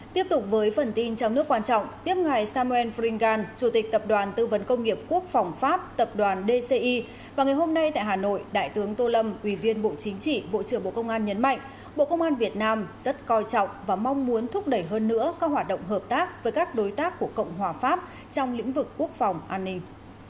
tiếp tục với phần tin trong nước quan trọng tiếp ngài samuel fringan chủ tịch tập đoàn tư vấn công nghiệp quốc phòng pháp tập đoàn dci và ngày hôm nay tại hà nội đại tướng tô lâm quỳ viên bộ chính trị bộ trưởng bộ công an nhấn mạnh bộ công an việt nam rất coi trọng và mong muốn thúc đẩy hơn nữa các hoạt động hợp tác với các đối tác của cộng hòa pháp trong lĩnh vực quốc phòng an ninh